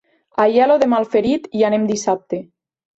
A Aielo de Malferit hi anem dissabte.